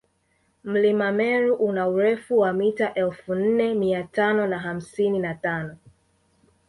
mlima meru una urefu wa mita elfu nne miatano na hamsini na tano